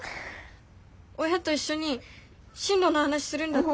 親と一緒に進路の話するんだって。